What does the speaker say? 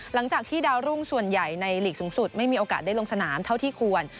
หลังจากที่ดาวรุ่งส่วนใหญ่ในหลีกสูงสุดไม่มีโอกาสได้ลงสนามเท่าที่ควร